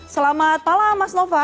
selamat malam mas nova